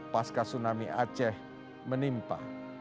pasca tsunami aceh menimpa